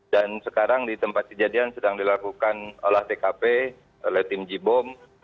dan sekarang di tempat kejadian sedang dilakukan olah tkp oleh tim jibom